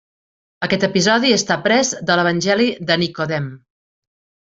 Aquest episodi està pres de l'Evangeli de Nicodem.